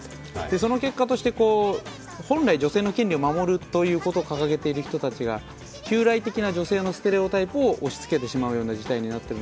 その結果として、本来女性の権利を守ることを掲げている人が、旧来的な女性のステレオタイプを押しつけている事態になっている